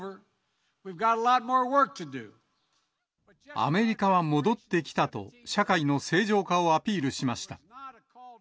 アメリカは戻ってきたと、社会の正常化をアピールしました。